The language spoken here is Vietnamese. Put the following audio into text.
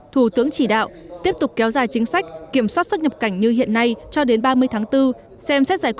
thủ tướng chỉ đạo tiếp tục kéo dài chính sách kiểm soát xuất nhập cảnh như hiện nay cho đến ba mươi tháng bốn